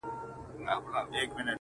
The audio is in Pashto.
هم لوېدلی یې له پامه د خپلوانو،